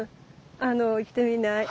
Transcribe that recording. あの行ってみない？